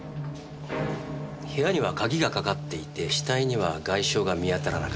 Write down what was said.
部屋には鍵がかかっていて死体には外傷が見当たらなかった。